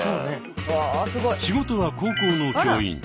仕事は高校の教員。